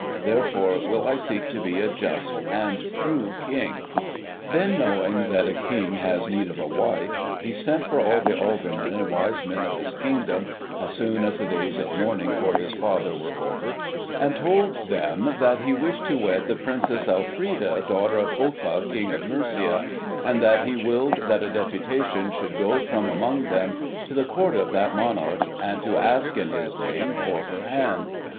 Therefore will I seek to be a just and true King.' 'Tales of English Minsters: York.' Heir Apparent. Then, knowing that a King has need of a wife, he sent for all the aldermen and wise men of his Kingdom, as soon as the days of mourning for his father were over, and told them that he wished to wed the Princess Elfreda, daughter of Offa, King of Mercia, and that he willed that a deputation should go from among them to the Court of that Monarch, to ask, in his name, for her hand.